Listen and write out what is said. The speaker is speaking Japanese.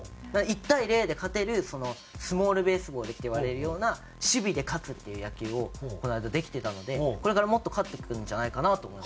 １対０で勝てるスモールベースボールって言われるような守備で勝つっていう野球をこの間できていたのでこれからもっと勝っていくんじゃないかなと。はあ！